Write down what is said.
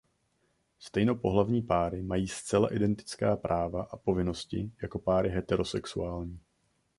Stejnopohlavní páry mají zcela identická práva a povinnosti jako páry heterosexuální.